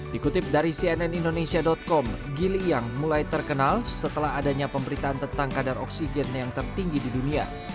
dikutip dari cnn indonesia com giliyang mulai terkenal setelah adanya pemberitaan tentang kadar oksigen yang tertinggi di dunia